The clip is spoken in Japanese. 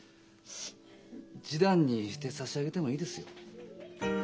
示談にして差し上げてもいいですよ。